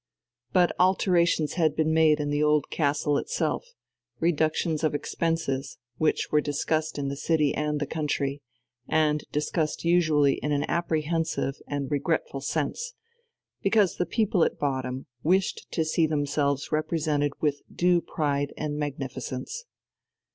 But alterations had been made in the old castle itself reductions of expenses, which were discussed in the city and the country, and discussed usually in an apprehensive and regretful sense, because the people at bottom wished to see themselves represented with due pride and magnificence.